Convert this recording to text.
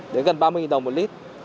đến gần ba mươi đồng một lít